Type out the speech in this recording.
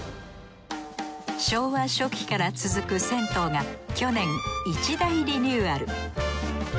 昭和初期から続く銭湯が去年一大リニューアル。